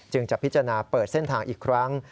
จะพิจารณาเปิดเส้นทางอีกครั้ง